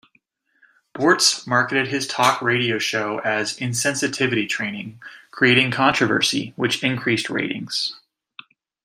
Boortz marketed his talk radio show as "insensitivity training", creating controversy which increased ratings.